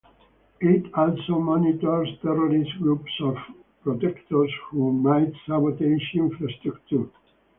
It also monitors terrorist groups or protestors who might sabotage infrastructure.